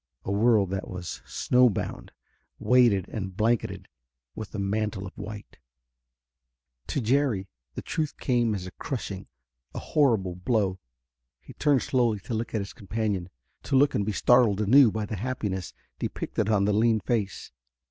A world that was snowbound, weighted and blanketed with a mantle of white. To Jerry the truth came as a crushing, a horrible blow. He turned slowly to look at his companion; to look and be startled anew by the happiness depicted on the lean face.